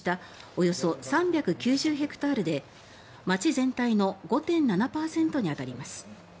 およそ３９０ヘクタールで町全体の５．７％に当たります。